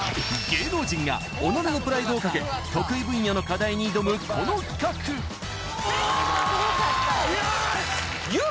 芸能人が己のプライドをかけ得意分野の課題に挑むこの企画おーっよし！